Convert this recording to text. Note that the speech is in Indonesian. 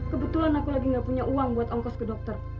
kebetulan aku lagi gak punya uang buat ongkos ke dokter